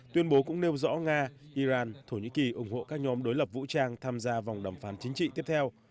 tuyên bố cũng nêu rõ nga iran thổ nhĩ kỳ ủng hộ các nhóm đối lập vũ trang tham gia vòng đàm phán chính trị tiếp theo